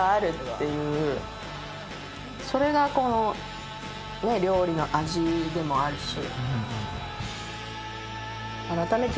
それがこのねっ料理の味でもあるし。